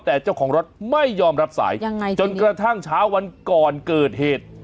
แต่เจ้าของรถไม่ยอมรับสายยังไงจนกระทั่งเช้าวันก่อนเกิดเหตุ